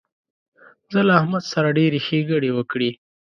زه له احمد سره ډېرې ښېګڼې وکړې.